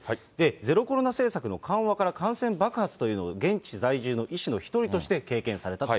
ゼロコロナ政策の緩和から感染爆発というのを現地在住の医師の１人として経験されたと。